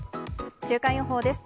週間予報です。